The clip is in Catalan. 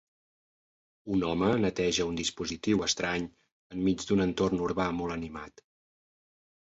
Un home neteja un dispositiu estrany enmig d'un entorn urbà molt animat.